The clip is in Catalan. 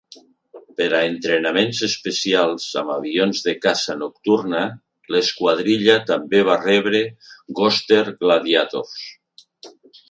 Per a entrenaments especials amb avions de caça nocturna, l'esquadrilla també va rebre Goster Gladiators.